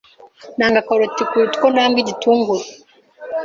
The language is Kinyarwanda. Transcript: Nanga karoti kuruta uko nanga igitunguru.